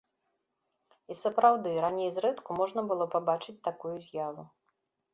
І сапраўды, раней зрэдку можна было пабачыць такую з'яву.